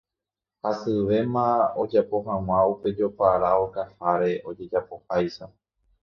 hasyvéma ojapo hag̃ua upe jopara okaháre ojajapoháicha